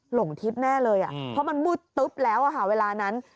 หลงทิศแน่เลยอ่ะเพราะมันมืดตุ๊บแล้วอ่ะค่ะเวลานั้น